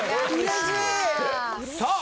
さあ！